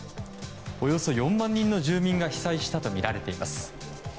およそ４万人の住民が被災したとみられています。